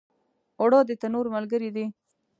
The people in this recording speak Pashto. اوړه د تنور ملګری دي